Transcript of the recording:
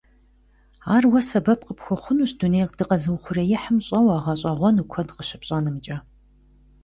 Ар уэ сэбэп къыпхуэхъунщ дуней дыкъэзыухъуреихьым щӀэуэ, гъэщӀэгъуэну куэд къыщыпщӀэнымкӀэ.